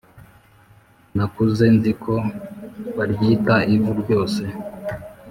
Nakuze nziko baryita ivu rwose